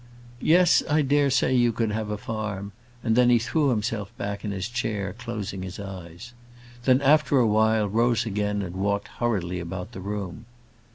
"Yes: I dare say you could have a farm:" and then he threw himself back in his chair, closing his eyes. Then, after a while, rose again, and walked hurriedly about the room.